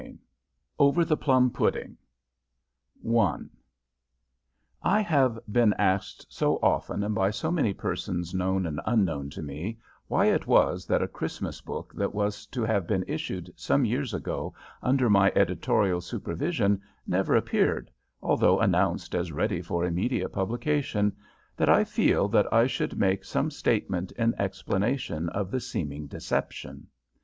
_ J. K. B. "Over the Plum Pudding" I [Illustration: Decorative I] have been asked so often and by so many persons known and unknown to me why it was that a Christmas book that was to have been issued some years ago under my editorial supervision never appeared, although announced as ready for immediate publication, that I feel that I should make some statement in explanation of the seeming deception.